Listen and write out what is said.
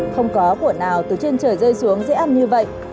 không có quận nào từ trên trời rơi xuống dễ ăn như vậy